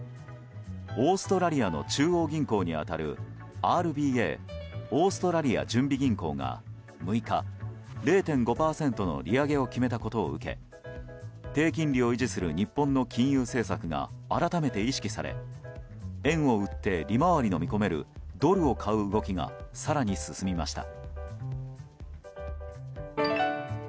オーストラリアの中央銀行に当たるＲＢＡ・オーストラリア準備銀行が６日、０．５％の利上げを決めたことを受け低金利を維持する日本の金融政策が改めて意識され円を売って利回りの見込めるドルを買う動きが更に進みました。